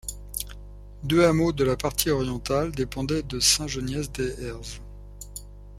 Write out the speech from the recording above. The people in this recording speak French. Deux hameaux de la partie orientale dépendaient de Saint-Geniez-des-Ers.